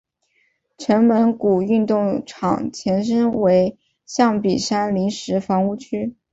城门谷运动场前身为象鼻山临时房屋区。